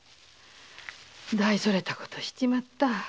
大それた事しちまった。